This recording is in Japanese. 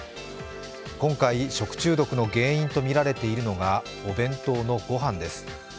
今回、食中毒の原因とみられているのがお弁当のご飯です。